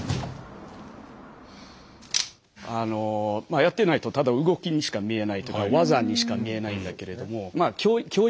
やってないとただ動きにしか見えないというか技にしか見えないんだけれどもまあ教育手段ですよね。